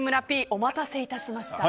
お待たせいたしました。